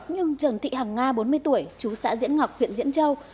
nhưng trần thị hằng nga bốn mươi tuổi chú xã diễn ngọc huyện diễn châu